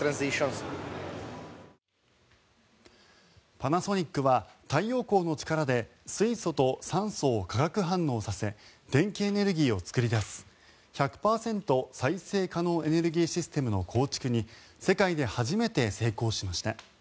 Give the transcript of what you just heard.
パナソニックは太陽光の力で水素と酸素を化学反応させ電気エネルギーを作り出す１００％再生可能エネルギーシステムの構築に世界で初めて成功しました。